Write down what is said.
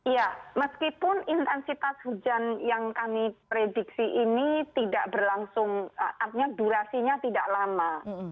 ya meskipun intensitas hujan yang kami prediksi ini tidak berlangsung artinya durasinya tidak lama